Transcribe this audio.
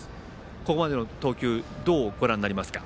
ここまでの投球どうご覧になりますか。